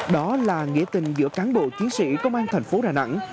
đó là nghĩa tình giữa cán bộ chiến sĩ công an thành phố đà nẵng